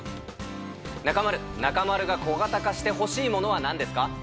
中丸、中丸が小型化してほしいものはなんですか？